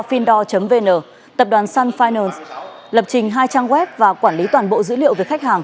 findor vn tập đoàn sun finance lập trình hai trang web và quản lý toàn bộ dữ liệu về khách hàng